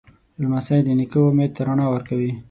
لمسی د نیکه امید ته رڼا ورکوي.